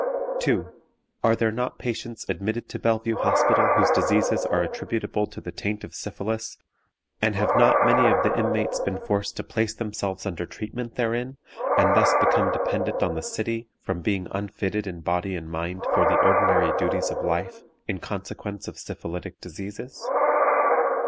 "2. Are there not patients admitted to Bellevue Hospital whose diseases are attributable to the taint of syphilis; and have not many of the inmates been forced to place themselves under treatment therein, and thus become dependent on the city, from being unfitted in body and mind for the ordinary duties of life in consequence of syphilitic diseases?